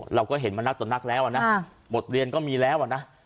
เราก็เห็นมานักต่อนักแล้วอะนะบทเรียนก็มีแล้วอ่ะนะ